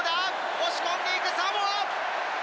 押し込んでいく、サモア。